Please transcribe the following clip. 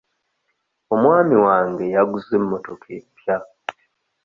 Omwami wange yaguze emmotoka empya.